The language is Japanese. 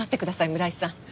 村井さん。